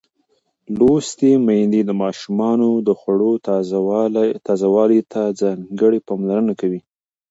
لوستې میندې د ماشومانو د خوړو تازه والي ته ځانګړې پاملرنه کوي.